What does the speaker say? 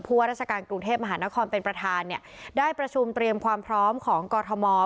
ว่าราชการกรุงเทพมหานครเป็นประธานเนี่ยได้ประชุมเตรียมความพร้อมของกรทม